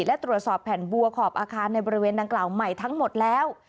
และตรวจสอบแผ่นบัวขอบอาคารในบริเวณดังกล่าวใหม่ทั้งหมดแล้ว